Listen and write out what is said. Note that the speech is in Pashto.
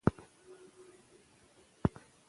صفوي رژیم په ایران کې تشیع مذهب رسمي کړی و.